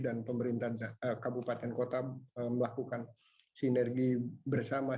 dan pemerintah kabupaten kota melakukan sinergi bersama